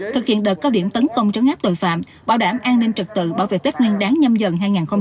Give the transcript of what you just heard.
thực hiện đợt cao điểm tấn công trấn áp tội phạm bảo đảm an ninh trật tự bảo vệ tết nguyên đáng nhâm dần hai nghìn hai mươi bốn